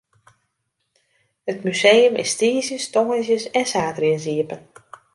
It museum is tiisdeis, tongersdeis en saterdeis iepen.